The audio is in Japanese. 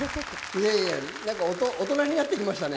いやいや、大人になってきましたね。